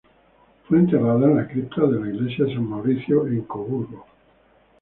Fue enterrada en la cripta de la iglesia de San Mauricio en Coburgo.